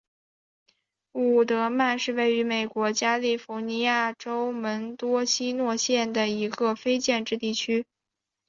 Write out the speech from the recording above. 伍德曼是位于美国加利福尼亚州门多西诺县的一个非建制地区。